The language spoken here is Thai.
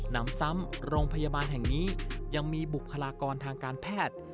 นำซ้ำโรงพยาบาลแห่งนี้ยังมีบุคลากรทางการแพทย์